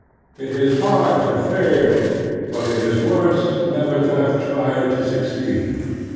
It is hard to fail, but it is worse never to have tried to succeed.